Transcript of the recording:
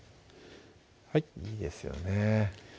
はいいいですよね